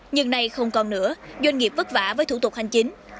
nhưng nay không còn nữa doanh nghiệp vất vả với thủ tục hành chính